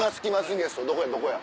ゲストどこやどこや。